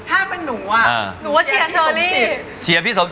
เชอร์รี่เชอร์รี่เชอร์รี่